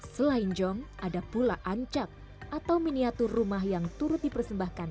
selain jong ada pula ancak atau miniatur rumah yang turut dipersembahkan